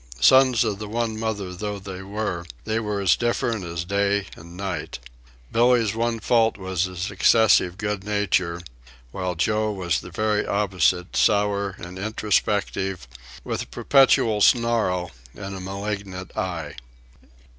Sons of the one mother though they were, they were as different as day and night. Billee's one fault was his excessive good nature, while Joe was the very opposite, sour and introspective, with a perpetual snarl and a malignant eye.